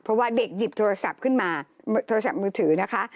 เพราะว่าเด็กหยิบโทรศัพท์ขึ้นมาโทรศัพท์มือถือนะคะ